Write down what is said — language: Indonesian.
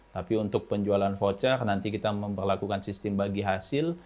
tapi untuk penjualan voucher nanti kita memperlakukan sistem bagi hasil